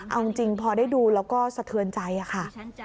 เอาจริงพอได้ดูแล้วก็สะเทือนใจค่ะ